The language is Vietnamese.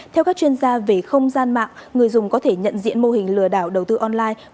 theo các chuyên gia về không gian mạng người dùng có thể nhận diện mô hình lừa đảo đầu tư online